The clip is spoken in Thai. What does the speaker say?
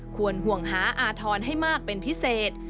ควรห่วงหาอาธรณ์ให้มากเป็นพิเศษ